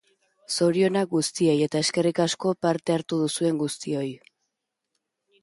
Zorionak guztiei, eta eskerrik asko parte hartu duzuen guztioi.